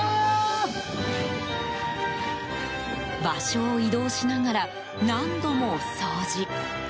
場所を移動しながら何度も掃除。